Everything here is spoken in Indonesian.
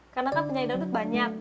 karena kan penyanyi darurat banyak